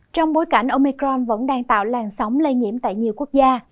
trong bối cảnh omecron vẫn đang tạo làn sóng lây nhiễm tại nhiều quốc gia